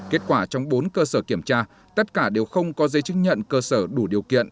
kết quả trong bốn cơ sở kiểm tra tất cả đều không có giấy chứng nhận cơ sở đủ điều kiện